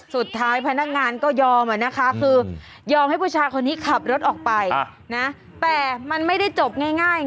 พนักงานก็ยอมนะคะคือยอมให้ผู้ชายคนนี้ขับรถออกไปนะแต่มันไม่ได้จบง่าย